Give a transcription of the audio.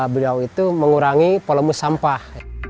beliau itu mengurangi volume sampah